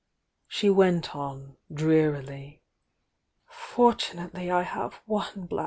She went on, drearily: "Fortunately I have one blac.